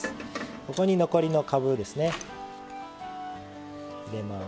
ここに残りのかぶですね。